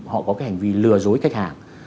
họ có cái hành vi lừa dối khách hàng